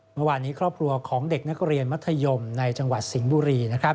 เมื่อวานนี้ครอบครัวของเด็กนักเรียนมัธยมในจังหวัดสิงห์บุรีนะครับ